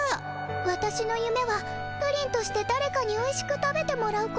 わたしのゆめはプリンとしてだれかにおいしく食べてもらうこと。